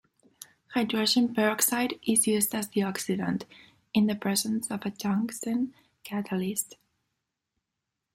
Hydrogen peroxide is used as the oxidant, in the presence of a tungsten catalyst.